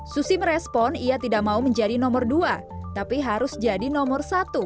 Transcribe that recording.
susi merespon ia tidak mau menjadi nomor dua tapi harus jadi nomor satu